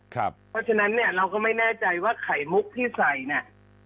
เพราะฉะนั้นเนี่ยเราก็ไม่แน่ใจว่าไข่มุกที่ใส่เนี่ย